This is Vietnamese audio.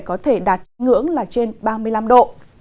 có thể đạt ngưỡng là trên ba mươi năm độ